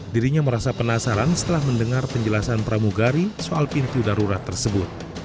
dirinya merasa penasaran setelah mendengar penjelasan pramugari soal pintu darurat tersebut